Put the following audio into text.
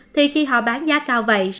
thì khi họ bán giá cao vậy